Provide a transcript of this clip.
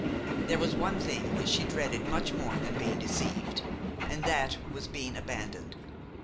There was one thing which she dreaded much more than being deceived, and that was being abandoned.